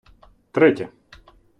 Третє